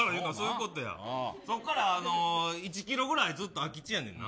そこから１キロぐらいずっと空き地やねんな。